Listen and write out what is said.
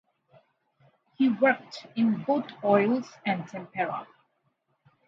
He worked in both oils and tempera.